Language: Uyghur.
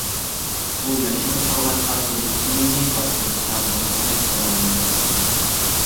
ئۇ ياشىنىپ قالغاچقا، گۈل دۇكىنىنى باشقۇرۇشتا بۇرۇنقىدەك بولالمايۋاتاتتى.